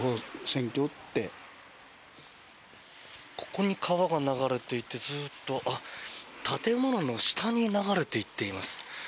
ここに川が流れていて建物の下に流れていっています。